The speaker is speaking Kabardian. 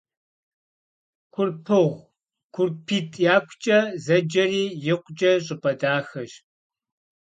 Курпыгъу «КурпитӀ якукӀэ» зэджэри икъукӀэ щӀыпӀэ дахэщ.